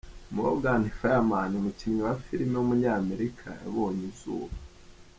Morgan Freeman, umukinnyi wa filime w’umunyamerika yabonye izuba.